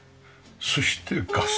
そしてガス。